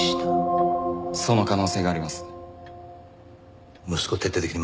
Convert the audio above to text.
その可能性があります。